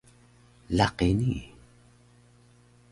laqi nii?